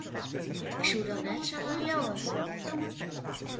Ik soe dat net samar leauwe.